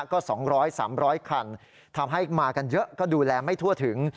ก็๒๐๐๓๐๐คันทำให้มากันเยอะก็ดูแลไม่ทั่วถึง